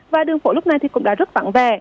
và đường phổ lúc này cũng đã rất vặn về